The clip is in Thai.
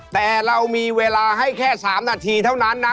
แต่เรามีเวลาให้แค่๓นาทีเท่านั้นนะ